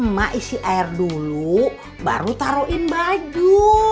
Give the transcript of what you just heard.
mak isi air dulu baru taroin baju